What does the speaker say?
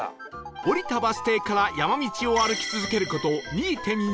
降りたバス停から山道を歩き続ける事 ２．４ キロ